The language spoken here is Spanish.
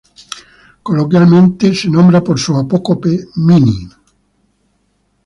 Coloquialmente, se nombra por su apócope "mini".